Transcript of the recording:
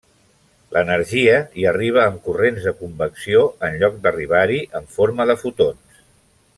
L'energia hi arriba en corrents de convecció, en lloc d'arribar-hi en forma de fotons.